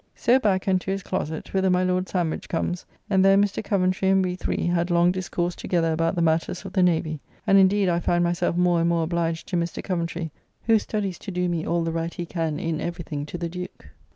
So back and to his closett, whither my Lord Sandwich comes, and there Mr. Coventry and we three had long discourse together about the matters of the Navy; and, indeed, I find myself more and more obliged to Mr. Coventry, who studies to do me all the right he can in every thing to the Duke.